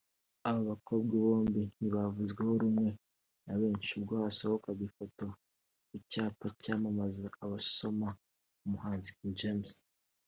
Aba bakobwa bombi ntibavuzweho rumwe na benshi ubwo hasohokaga ifoto ku cyapa cyamamaza basoma umuhanzi King James